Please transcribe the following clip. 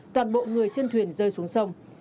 toàn bộ người trên thuyền rơi xuống sông